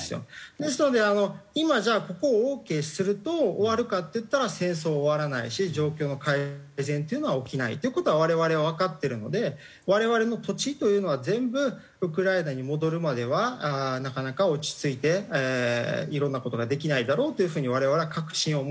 ですので今じゃあここをオーケーすると終わるかっていったら戦争終わらないし状況の改善っていうのは起きないという事は我々はわかってるので我々の土地というのは全部ウクライナに戻るまではなかなか落ち着いていろんな事ができないだろうという風に我々は確信を持ってます。